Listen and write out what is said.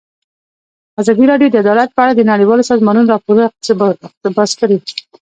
ازادي راډیو د عدالت په اړه د نړیوالو سازمانونو راپورونه اقتباس کړي.